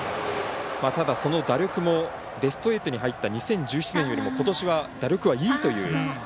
ただその打力もベスト８に入った２０１７年よりも、ことしは打力はいいという。